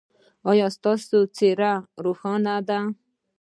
ایا ستاسو څیره روښانه ده؟